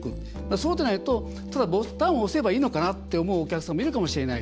そうでないと、ただボタンを押せばいいのかなって思うお客さんもいるかもしれない。